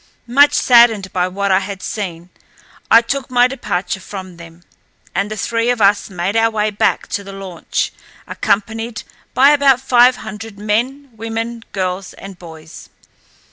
Much saddened by what I had seen, I took my departure from them, and the three of us made our way back to the launch, accompanied by about five hundred men, women, girls, and boys.